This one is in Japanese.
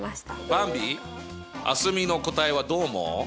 ばんび蒼澄の答えはどう思う？